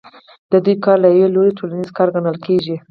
د دوی کار له یوه لوري ټولنیز کار ګڼل کېږي